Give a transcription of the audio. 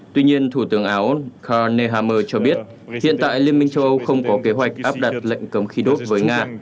tuy nhiên thủ tướng áo karemmer cho biết hiện tại liên minh châu âu không có kế hoạch áp đặt lệnh cấm khí đốt với nga